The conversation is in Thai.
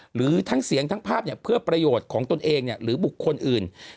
หรือทั้งเสียงทั้งภาพเพื่อประโยชน์ของตนเองหรือบุคคลอื่น